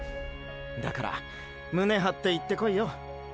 だから胸はっていってこいよ。